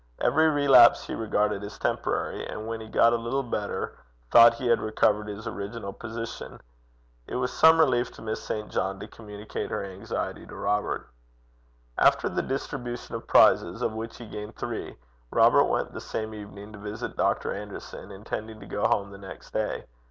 Every relapse he regarded as temporary; and when he got a little better, thought he had recovered his original position. It was some relief to Miss St. John to communicate her anxiety to Robert. After the distribution of the prizes, of which he gained three, Robert went the same evening to visit Dr. Anderson, intending to go home the next day.